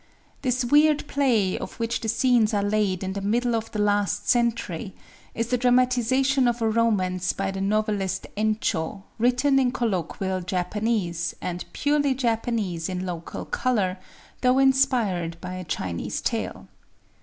This weird play, of which the scenes are laid in the middle of the last century, is the dramatization of a romance by the novelist Encho, written in colloquial Japanese, and purely Japanese in local color, though inspired by a Chinese tale.